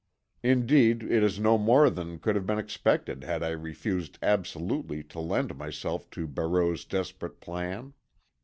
Indeed it is no more than could have been expected had I refused absolutely to lend myself to Barreau's desperate plan.